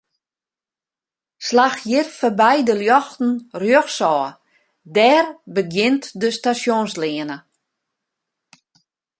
Slach hjir foarby de ljochten rjochtsôf, dêr begjint de Stasjonsleane.